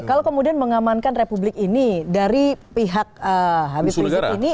kalau kemudian mengamankan republik ini dari pihak habib rizik ini